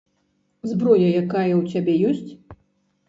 Зброя якая ў цябе ёсць?